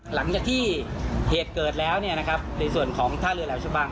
หลังจากที่เหตุเกิดแล้วในส่วนของท่าเรือแหลมชะบัง